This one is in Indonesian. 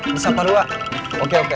di saparua oke oke